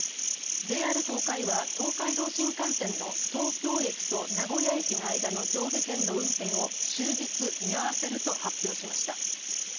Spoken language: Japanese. ＪＲ東海は東海道新幹線の東京駅と名古屋駅の間の上下線の運転を終日見合わせると発表しました。